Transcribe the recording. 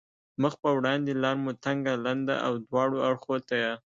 مخ په وړاندې لار مو تنګه، لنده او دواړو اړخو ته یې.